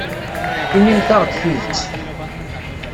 Inimt-aɣ-d tidet.